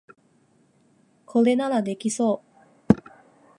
これならできそう